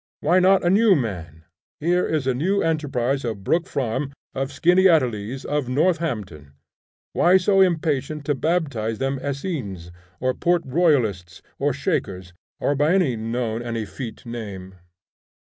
Why not a new man? Here is a new enterprise of Brook Farm, of Skeneateles, of Northampton: why so impatient to baptize them Essenes, or Port Royalists, or Shakers, or by any known and effete name?